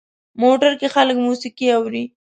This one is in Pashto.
موټر کې خلک موسیقي اوري.